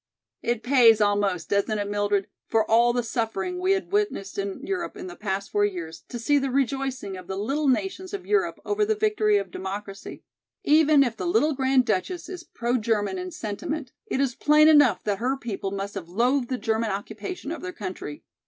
"It pays almost, doesn't it, Mildred, for all the suffering we have witnessed in Europe in the past four years to see the rejoicing of the little nations of Europe over the victory of democracy? Even if the little Grand Duchess is pro German in sentiment, it is plain enough that her people must have loathed the German occupation of their country.